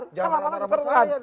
karena lapangan itu serangan